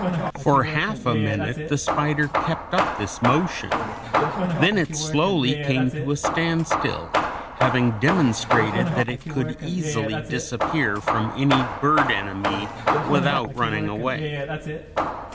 For half a minute the spider kept up this motion, then it slowly came to a standstill, having demonstrated that it could easily disappear from any bird enemy without running away.